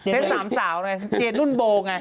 สามสาวไงเจนุ่นโบไง